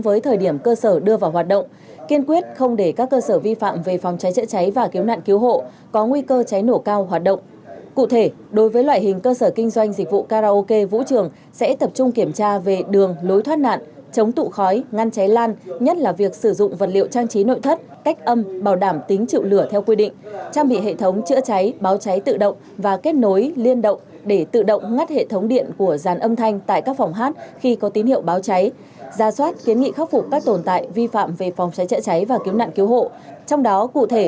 và cứu nạn cứu hộ có nguy cơ cháy nổ cao hoạt động cụ thể đối với loại hình cơ sở kinh doanh dịch vụ karaoke vũ trường sẽ tập trung kiểm tra về đường lối thoát nạn chống tụ khói ngăn cháy lan nhất là việc sử dụng vật liệu trang trí nội thất cách âm bảo đảm tính trựu lửa theo quy định trang bị hệ thống chữa cháy báo cháy tự động và kết nối liên động để tự động ngắt hệ thống điện của dàn âm thanh tại các phòng hát khi có tín hiệu báo cháy ra soát kiến nghị khắc phục các tồn tại vi phạm về phòng ch